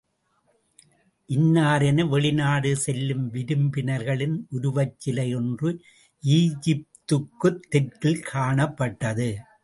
இன்னாரென வெளிநாடு செல்லும் விருப்பினர்களின் உருவச்சிலை ஒன்று ஈஜிப்துக்குத் தெற்கில் காணப்பட்டது.